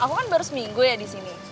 aku kan baru seminggu ya di sini